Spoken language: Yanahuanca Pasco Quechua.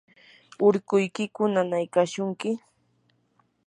¿urkuykiku nanaykashunki?